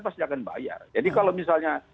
pasti akan bayar jadi kalau misalnya